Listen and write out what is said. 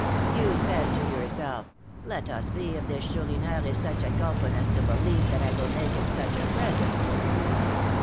You said to yourself,'Let us see if this Chourineur is such a gulpin as to believe that I will make him such a present.'